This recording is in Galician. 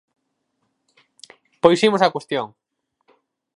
¡Pois imos á cuestión!